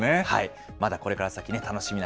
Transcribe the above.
まだこれから先、楽しみ。